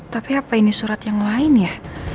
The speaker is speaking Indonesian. tapi apa ini surat yang lain ya